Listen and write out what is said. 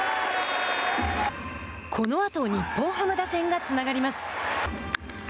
このあと日本ハム打線がつながります。